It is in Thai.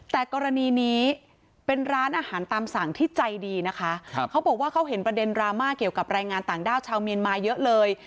แต่กรณีนี้เป็นร้านอาหารตามสั่งที่ใจดีนะคะเขาบอกว่าเขาเห็นประเด็นดราม่าเกี่ยวกับแรงงานต่างด้าวชาวเมียนมาเยอะเลย